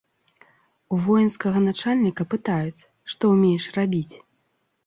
У воінскага начальніка пытаюць, што ўмееш рабіць.